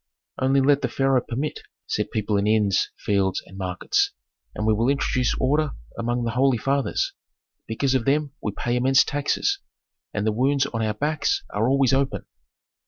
"Only let the pharaoh permit," said people in inns, fields and markets, "and we will introduce order among the holy fathers. Because of them we pay immense taxes, and the wounds on our backs are always open."